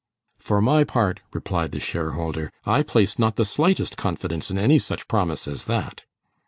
"For my part," replied the share holder, "I place not the slightest confidence in any such promise as that."